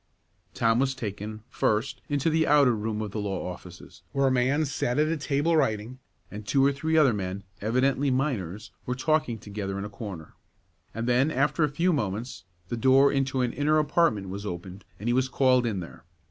Tom was taken, first, into the outer room of the law offices, where a man sat at a table writing, and two or three other men, evidently miners, were talking together in a corner; and then, after a few moments, the door into an inner apartment was opened and he was called in there.